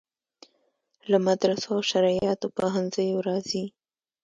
له مدرسو او شرعیاتو پوهنځیو راځي.